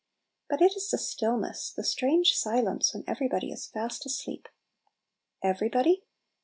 But it is the still ness, the strange silence when every body is fast asleep. Every body?